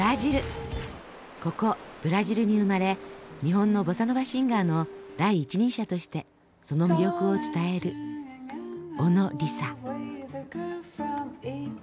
ここブラジルに生まれ日本のボサノバシンガーの第一人者としてその魅力を伝える小野リサ。